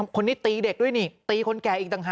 คนนี้ตีเด็กด้วยนี่ตีคนแก่อีกต่างหาก